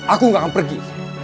aku gak akan pergi